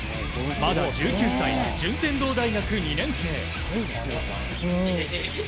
１９歳、順天堂大学２年生。